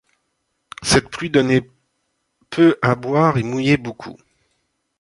Cette pluie donnait peu à boire et mouillait beaucoup.